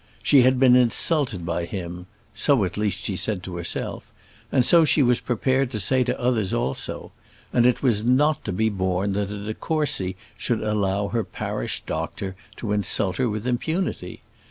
She had been insulted by him so at least she said to herself, and so she was prepared to say to others also and it was not to be borne that a de Courcy should allow her parish doctor to insult her with impunity.